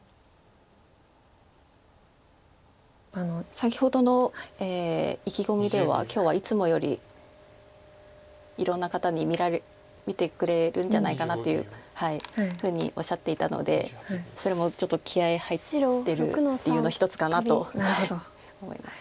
先ほどの意気込みでは「今日はいつもよりいろんな方に見てくれるんじゃないかな」というふうにおっしゃっていたのでそれもちょっと気合い入ってる理由の一つかなと思います。